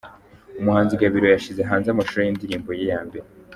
Umuhanzi Gabiro yashyize hanze amashusho y’indirimbo ye ya mbere